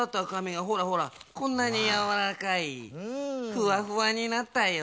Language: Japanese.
ふわふわになったよ。